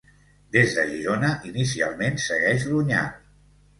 Des de Girona inicialment segueix l'Onyar.